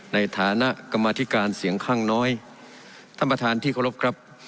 ในฐานะกรรมธิการเสียงข้างน้อยท่านประธานที่เคารพครับ